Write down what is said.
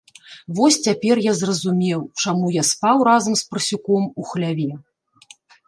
Вось цяпер я зразумеў, чаму я спаў разам з парсюком у хляве.